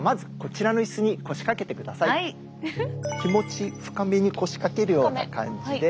気持ち深めに腰掛けるような感じで。